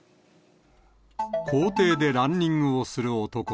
校庭でランニングをする男。